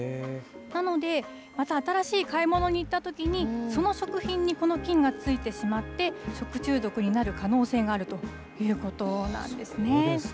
なので、また新しい買い物に行ったときに、その食品にこの菌がついてしまって、食中毒になる可能性があるということなんですね。